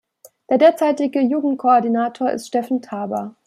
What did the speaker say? Der derzeitige Jugendkoordinator ist Stefan Taber.